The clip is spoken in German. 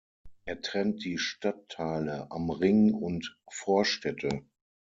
Er trennt die Stadtteile Am Ring und Vorstädte.